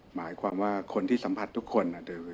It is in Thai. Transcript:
หมายความว่าคนที่สัมผัสทุกคน